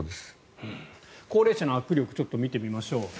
高齢者の握力見てみましょう。